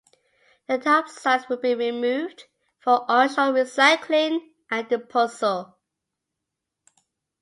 The topsides will be removed for onshore recycling and disposal.